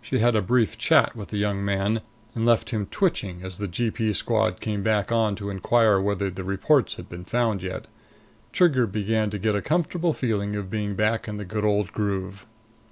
She had a brief chat with the young man, and left him twitching as the G P Squad came back on to inquire whether the reports had been found yet. Trigger began to get a comfortable feeling of being back in the good old groove.